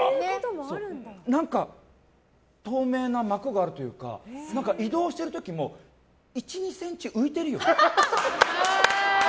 何か透明な膜があるというか移動してる時も１２ｃｍ浮いてるよね？